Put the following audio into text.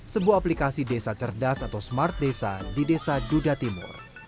sebuah aplikasi desa cerdas atau smart desa di desa duda timur